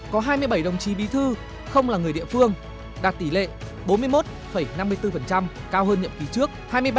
có hai mươi bảy đồng chí bí thư không là người địa phương đạt tỷ lệ bốn mươi một năm mươi bốn cao hơn nhiệm kỳ trước hai mươi ba